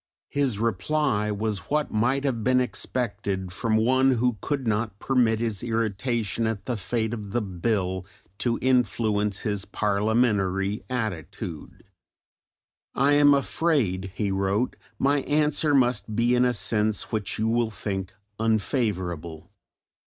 His reply was what might have been expected from one who could not permit his irritation at the fate of the Bill to influence his parliamentary attitude. I am afraid [he wrote] my answer must be in a sense which you will think unfavourable.